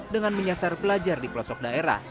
dengan menyasar pelajar di pelosok daerah